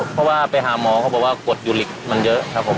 เพราะว่าไปหาหมอเขาบอกว่ากฎยูลิกมันเยอะครับผม